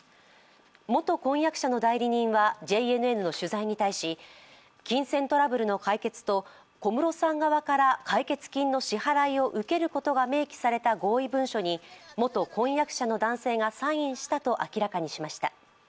元婚約者の代理人はＪＮＮの取材に対し金銭トラブルの解決と小室さん側から解決金の支払いを受けることが明記された合意文書に元婚約者の男性がサインしたと明らかにしました。